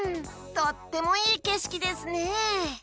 とってもいいけしきですね！